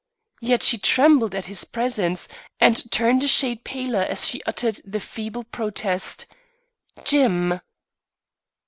Yet she trembled at his presence, and turned a shade paler as she uttered the feeble protest: "Jim!"